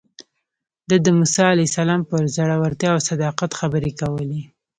ده د موسی علیه السلام پر زړورتیا او صداقت خبرې کولې.